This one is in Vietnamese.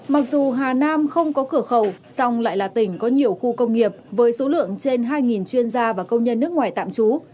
mặc dù hà nam không có cửa khẩu song lại là tỉnh có nhiều khu công nghiệp với số lượng trên hai chuyên gia và công nhân nước ngoài tạm trú